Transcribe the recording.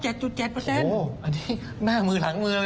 โอ้โหอันนี้หน้ามือหลังมือเลยนะ